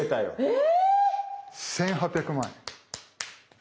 え！